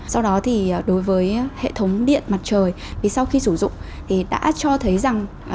sau đó thì đối với hệ thống điện mặt trời vì sau khi sử dụng thì đã cho thấy rằng